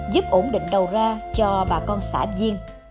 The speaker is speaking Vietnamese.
giúp ổn định đầu ra cho bà con xã viên